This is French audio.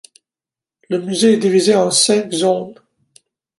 Le musée est divisée en cinq zones.